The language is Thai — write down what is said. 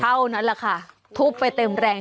เท่านั้นแหละค่ะทุบไปเต็มแรง